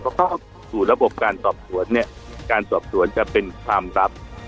พอเข้าสู่ระบบการสอบสวนเนี่ยการสอบสวนจะเป็นความลับ